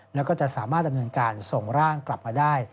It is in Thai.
แล้วก็จะสามารถดำเนินการส่งร่างกลับมาได้